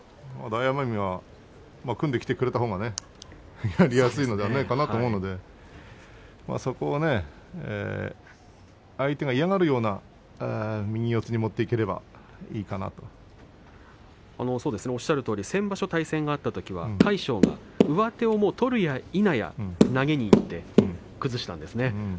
大奄美が組んできてくれたほうがやりやすいんじゃないかなと思いますのでそこはね、相手が嫌がるような右四つに持っていければいいかなと。おっしゃるとおり先場所の対戦は魁勝が上手を取るやいなや投げにいって崩したんですね。